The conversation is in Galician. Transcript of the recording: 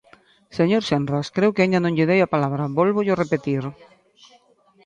Señor Senras, creo que aínda non lle dei a palabra, vólvollo repetir.